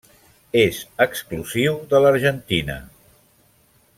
És exclusiu de l'Argentina.